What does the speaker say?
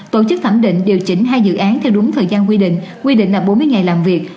tổ chức thẩm định điều chỉnh hai dự án theo đúng thời gian quy định quy định là bốn mươi ngày làm việc